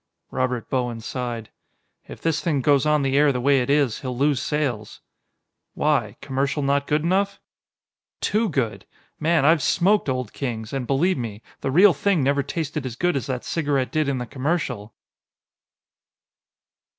Robert Bowen sighed. "If this thing goes on the air the way it is, he'll lose sales." "Why? Commercial not good enough?" "Too good! Man, I've smoked Old Kings, and, believe me, the real thing never tasted as good as that cigarette did in the commercial!"